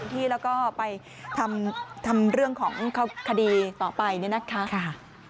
ที่แล้วก็ไปทำเรื่องของคดีต่อไปเนี่ยนะคะ